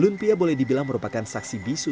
lumpia boleh dibilang merupakan saksi bisu